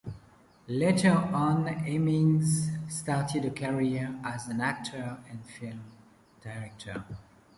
Later on, Hemmings started a career as an actor and film director.